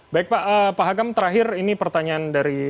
baik pak hagam terakhir ini pertanyaan dari